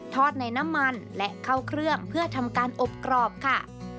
ในน้ำมันและเข้าเครื่องเพื่อทำการอบกรอบค่ะ